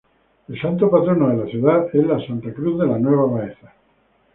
El santo patrono de la ciudad es la Santa Cruz de la Nueva Baeza.